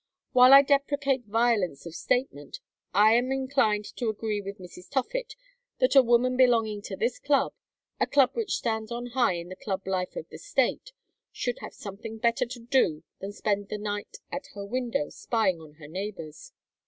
While I deprecate violence of statement, I am inclined to agree with Mrs. Toffitt that a woman belonging to this Club, a Club which stands high in the Club life of the State, should have something better to do than to spend the night at her window spying on her neighbors.